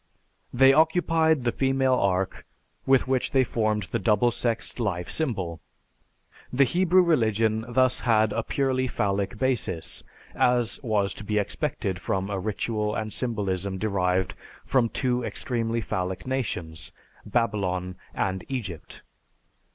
They occupied the female ark with which they formed the double sexed life symbol. The Hebrew religion had thus a purely phallic basis, as was to be expected from a ritual and symbolism derived from two extremely phallic nations, Babylon and Egypt."